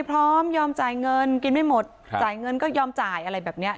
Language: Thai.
พร้อมยอมจ่ายเงินกินไม่หมดจ่ายเงินก็ยอมจ่ายอะไรแบบเนี้ย